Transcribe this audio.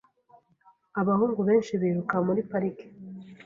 Abahungu benshi biruka muri parike .